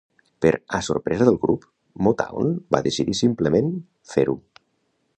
Per a sorpresa del grup, Motown va decidir simplement fer-ho.